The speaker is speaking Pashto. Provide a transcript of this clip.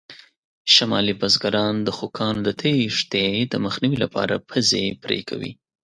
شمالي بزګران د خوکانو د تېښتې د مخنیوي لپاره پزې پرې کوي.